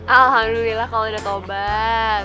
alhamdulillah kalau udah tobat